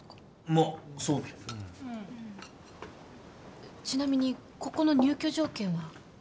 まあそうねうんちなみにここの入居条件は？